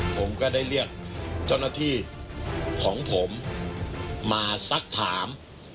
ผมก็ได้เรียกเจ้าหน้าที่ของผมมาสักถาม